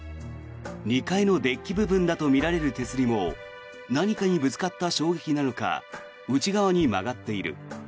２階のデッキ部分だとみられる手すりも何かにぶつかった衝撃なのか内側に曲がっている。